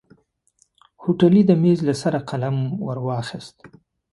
هوټلي د ميز له سره قلم ور واخيست.